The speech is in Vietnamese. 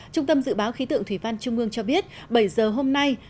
trung tâm dự báo khí tượng thủy văn trung ương cho biết bảy giờ hôm nay